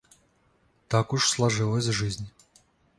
Так уж сложилась жизнь.